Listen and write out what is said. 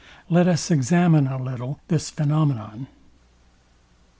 Let us examine a little this phænomenon.